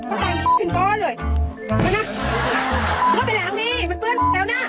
เขาตามขึ้นก้อนเลยมาน่ะก็ไปหลังนี้มันเปิ้ลแล้วน่ะ